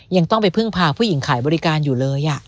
ยังต้องไปพึ่งพาผู้หญิงขายบริการอยู่เลย